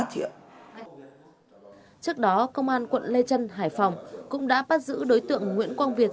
trước đó công an quận lê trân hải phòng cũng đã bắt giữ đối tượng nguyễn quang việt